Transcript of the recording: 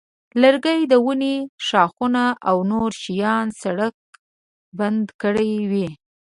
لرګي د ونې ښاخونه او نور شیان سړک بند کړی وي.